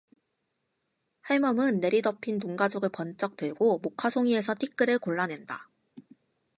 할멈은 내리덮인 눈가죽을 번쩍 들고 목화 송이에서 티끌을 골라 낸다.